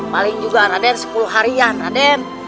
paling juga raden sepuluh harian raden